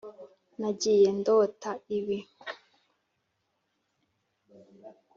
nagiye ndota ibi.